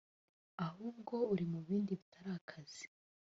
ahubwo uri mu bindi bitari akazi